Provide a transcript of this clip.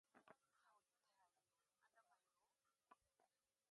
How dare you, under my roof?